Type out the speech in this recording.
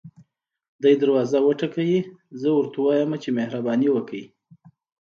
دی دروازه وټکوي زه ورته ووایم چې مهرباني وکړئ.